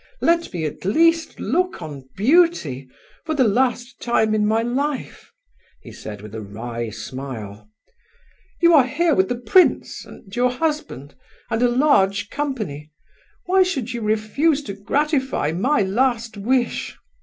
Let me, at least, look on beauty for the last time in my life," he said with a wry smile. "You are here with the prince, and your husband, and a large company. Why should you refuse to gratify my last wish?"